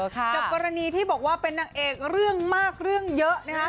กับกรณีที่บอกว่าเป็นนางเอกเรื่องมากเรื่องเยอะนะคะ